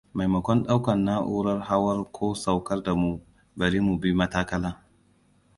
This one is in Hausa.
Maimakon ɗaukan nau'rar hawar ko saukar da mu, bari mu bi matakala.